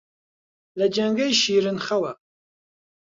لە جەنگەی شیرن خەوا